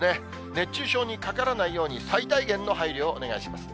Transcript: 熱中症にかからないように、最大限の配慮をお願いします。